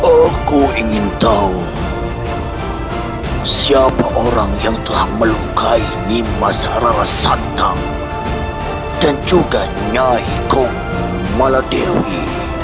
aku ingin tahu siapa orang yang telah melukai nimas ararasatang dan juga nyai kom maladewi